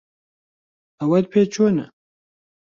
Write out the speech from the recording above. ئەوەت پێ چۆنە؟